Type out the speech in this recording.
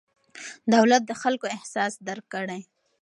دولت د خلکو احساس درک کړي.